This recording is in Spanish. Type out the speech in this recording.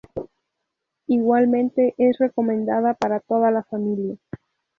Igualmente es recomendada para toda la familia.